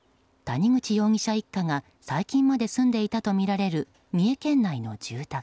谷口容疑者一家が最近まで住んでいたとみられる三重県内の住宅。